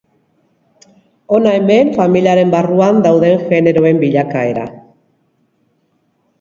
Hona hemen familiaren barruan dauden generoen bilakaera.